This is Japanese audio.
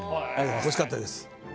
おいしかったです